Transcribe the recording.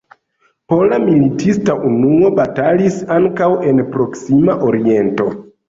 Pola militista unuo batalis ankaŭ en Proksima Oriento.